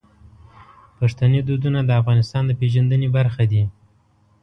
پښتني دودونه د افغانستان د پیژندنې برخه دي.